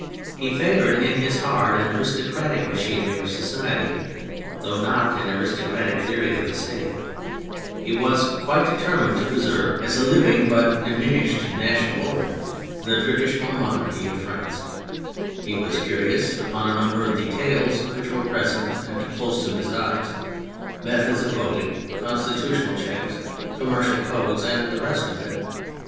He favoured in his heart an aristocratic machinery of society — though not an aristocratic theory of the State; he was quite determined to preserve as a I THE CHARACTERS 01 living but diminished national organ the traditional monarchy of France; he was curious upon a number of details which were present and close to his eyes : methods of voting, constitutional checks, commercial codes and the rest of it.